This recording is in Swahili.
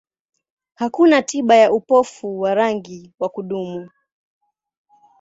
Hakuna tiba ya upofu wa rangi wa kudumu.